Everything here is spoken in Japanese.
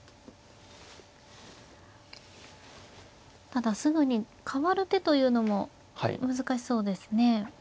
ただすぐにかわる手というのも難しそうですね。